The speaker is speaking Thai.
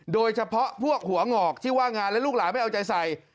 โดยเฉพาะพวกหัวหงอกที่ว่างงานและลูกหลานไม่เอาใจใส่